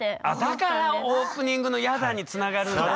だからオープニングの「嫌だ」につながるんだ。